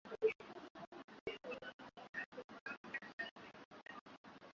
Kama mto ni mdogo huitwa kijito